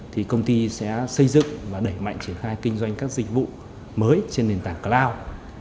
thì công ty sẽ xây dựng và đẩy mạnh triển khai kinh doanh các dịch vụ mới trên nền tảng cloud